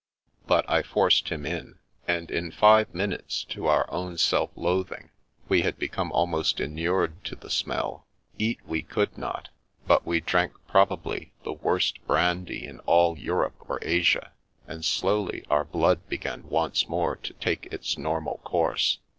But I forced him in ; and in five minutes, to our own self loathing, we had become almost inured to the 6mell. Eat we could not, but we drank probably the worst brandy in all Europe or Asia, and slowly our blood began once more to take its normal course.